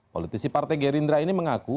politisi partai gerindra ini mengaku